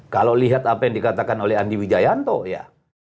kalau lihat apa yang dikatakan oleh andi wijayanto ya